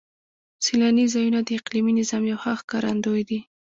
سیلاني ځایونه د اقلیمي نظام یو ښه ښکارندوی دی.